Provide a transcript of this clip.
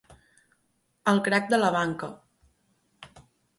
El crac de la banca.